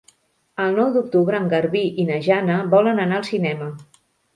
El nou d'octubre en Garbí i na Jana volen anar al cinema.